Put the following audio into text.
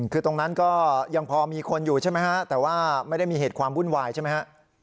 คือตรงนั้นก็ยังพอมีคนอยู่ใช่ไหมฮะแต่ว่าไม่ได้มีเหตุความวุ่นวายใช่ไหมฮะ